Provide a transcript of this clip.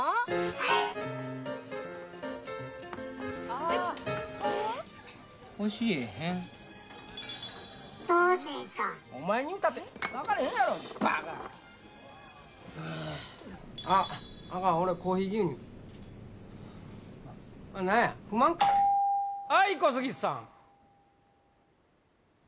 はい小杉さん